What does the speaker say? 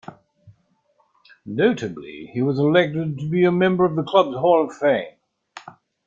Notably, he was elected to be a member of the club's Hall of Fame.